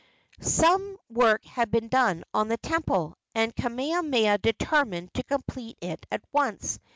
Some work had been done on the temple, and Kamehameha determined to complete it at once.